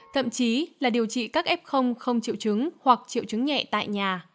thậm chí là điều trị các f không triệu chứng hoặc triệu chứng nhẹ tại nhà